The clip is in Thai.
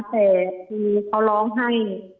แต่เค้าร้องให้